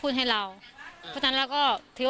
แล้วอันนี้ก็เปิดแล้ว